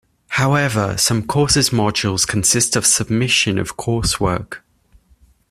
However, some courses' modules consist of submission of coursework.